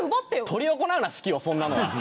執り行うな式をそんなのは。